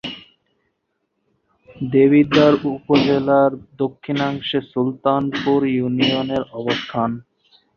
দেবিদ্বার উপজেলার দক্ষিণাংশে সুলতানপুর ইউনিয়নের অবস্থান।